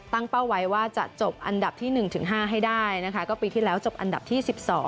เป้าไว้ว่าจะจบอันดับที่๑๕ให้ได้นะคะก็ปีที่แล้วจบอันดับที่๑๒